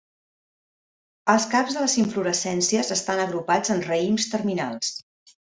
Els caps de les inflorescències estan agrupats en raïms terminals.